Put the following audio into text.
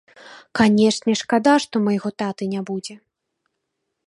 Канечне, шкада, што майго таты не будзе.